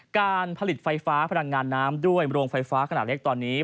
การผลิตไฟฟ้าพลังงานน้ำด้วยโรงไฟฟ้าขนาดเล็กตอนนี้